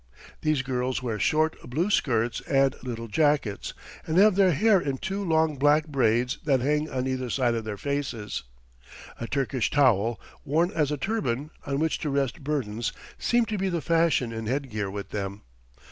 These girls wear short blue skirts and little jackets, and have their hair in two long black braids that hang on either side of their faces. A Turkish towel, worn as a turban, on which to rest burdens, seemed to be the fashion in head gear with them.